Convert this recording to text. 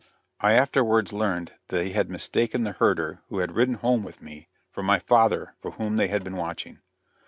I afterwards learned they had mistaken the herder, who had ridden home with me, for my father for whom they had been watching.